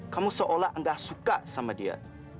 kamu seolah enggak suka sama dia